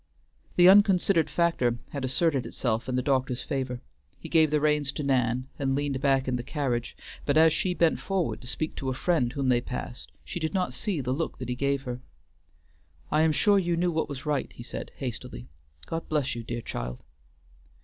The unconsidered factor had asserted itself in the doctor's favor. He gave the reins to Nan and leaned back in the carriage, but as she bent forward to speak to a friend whom they passed she did not see the look that he gave her. "I am sure you knew what was right," he said, hastily. "God bless you, dear child!"